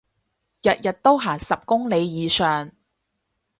日日都行十公里以上